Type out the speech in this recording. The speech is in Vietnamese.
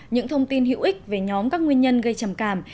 những thông tin hữu ích về nhóm các nguyên nhân gây trầm cảm